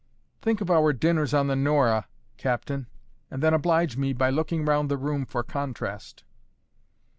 "Think of our dinners on the Norah, captain, and then oblige me by looking round the room for contrast."